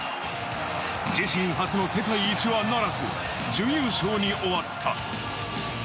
自身初の世界一はならず準優勝に終わった。